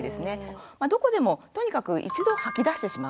まあどこでもとにかく一度吐き出してしまう。